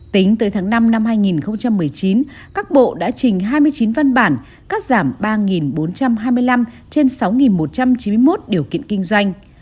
tính tới tháng năm năm hai nghìn một mươi chín các bộ đã trình hai mươi chín văn bản cắt giảm ba bốn trăm hai mươi năm trên sáu một trăm chín mươi một điều kiện kinh doanh